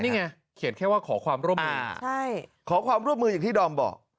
นี่ไงเขียนแค่ว่าขอความร่วมมือขอความร่วมมืออย่างที่ดอมบอก